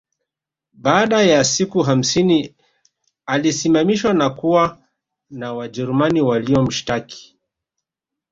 Baada ya siku hamsini alisimamishwa na kuuawa na Wajerumani waliomshtaki